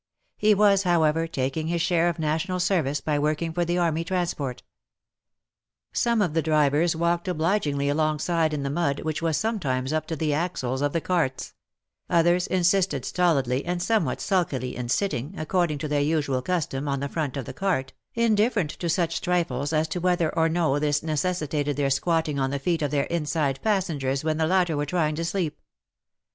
He was, however, taking his share of national service by working for the army transport. Some of the drivers walked obligingly along side, in the mud, which was sometimes up to the axles of the carts ; others insisted stolidly and somewhat sulkily in sitting, according to their usual custom, on the front of the cart, indifferent to such trifles as to whether or no this necessitated their squatting on the feet of their inside passengers when the latter were trying to sleep.